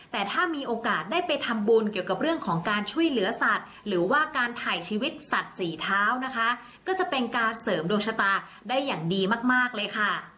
แต่ถ้ามีโอกาสได้ไปทำบุญเกี่ยวกับเรื่องของการช่วยเหลือสัตว์หรือว่าการถ่ายชีวิตสัตว์สี่เท้านะคะก็จะเป็นการเสริมดวงชะตาได้อย่างดีมากเลยค่ะ